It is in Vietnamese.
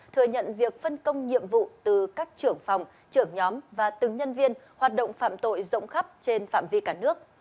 thừa nhận việc phân công nhiệm vụ từ các trưởng phòng trưởng nhóm và từng nhân viên hoạt động phạm tội rộng khắp trên phạm vi cả nước